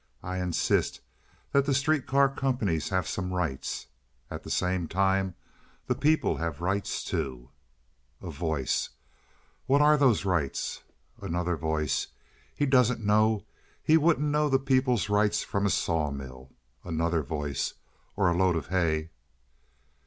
I insist that the street car companies have some rights; at the same time the people have rights too." A Voice. "What are those rights?" Another Voice. "He don't know. He wouldn't know the people's rights from a sawmill." Another Voice. "Or a load of hay."